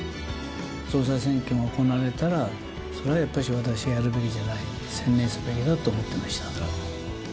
総裁選挙が行われたら、それはやっぱし私がやるべきじゃない、専念すべきだと思ってました。